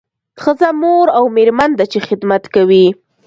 ښځه مور او میرمن ده چې خدمت کوي